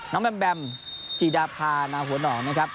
น้องแบมแบมจีดาภานาโหนองนะครับ